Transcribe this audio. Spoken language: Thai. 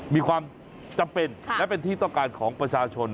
มีความจำเป็นและเป็นที่ต้องการของประชาชน